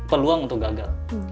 peluang untuk gagal